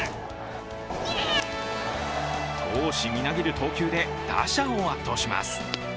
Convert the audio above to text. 闘志みなぎる投球で打者を圧倒します。